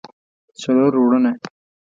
څلور وروڼه